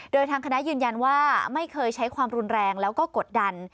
โดยทางคณะยืนยันว่าไม่เคยใช้ความรุนแรงแล้วก็กดดัน